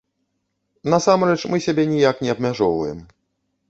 Насамрэч, мы сябе ніяк не абмяжоўваем.